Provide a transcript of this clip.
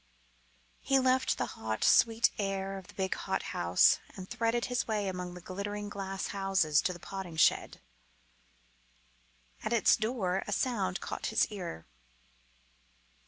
He left the hot, sweet air of the big hothouse and threaded his way among the glittering glasshouses to the potting shed. At its door a sound caught his ear.